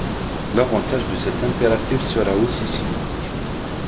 L'avantage de cet impératif sera aussi scénique.